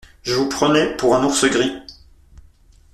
Je vous prenais pour un ours gris.